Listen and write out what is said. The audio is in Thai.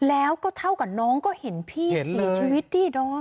แล้วก็เท่ากับน้องก็เห็นพี่เสียชีวิตดิดอม